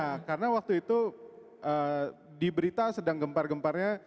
nah karena waktu itu di berita sedang gempar gemparnya